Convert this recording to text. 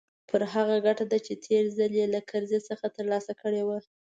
پر هغه ګټه ده چې تېر ځل يې له کرزي څخه ترلاسه کړې وه.